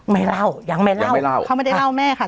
ไม่เล่ายังไม่เล่าไม่เล่าเขาไม่ได้เล่าแม่ค่ะ